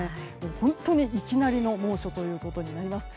本当に、いきなりの猛暑ということになります。